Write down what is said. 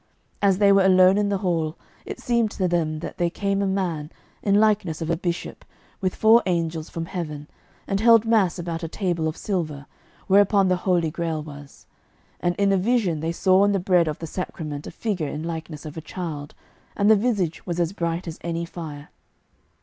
As they were alone in the hall, it seemed to them that there came a man, in likeness of a bishop, with four angels from heaven, and held mass about a table of silver, whereupon the Holy Grail was. And in a vision they saw in the bread of the sacrament a figure in likeness of a child, and the visage was as bright as any fire.